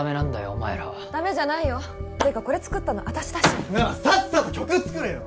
お前らはダメじゃないよていうかこれ作ったの私だしならさっさと曲作れよ！